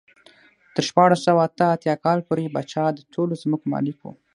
تر شپاړس سوه اته اتیا کال پورې پاچا د ټولو ځمکو مالک و.